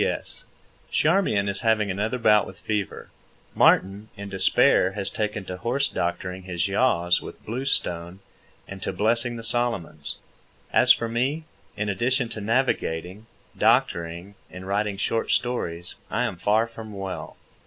P.S. Charmian is having another bout with fever. Martin, in despair, has taken to horse doctoring his yaws with bluestone and to blessing the Solomons. As for me, in addition to navigating, doctoring, and writing short stories, I am far from well.